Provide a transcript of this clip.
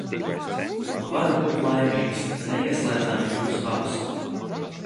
Un varat būt laimīgas, ka neieslēdzām jūs abas!